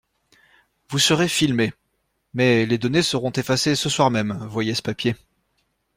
Vous serez filmée. Mais les données seront effacées ce soir même, voyez ce papier